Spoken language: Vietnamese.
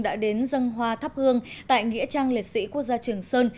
đã đến dân hoa thắp hương tại nghĩa trang liệt sĩ quốc gia trường sơn